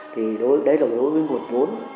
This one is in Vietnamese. thì đấy là đối với nguồn vốn